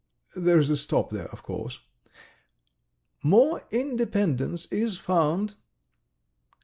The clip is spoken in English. There's a stop there, of course. ... More independence is found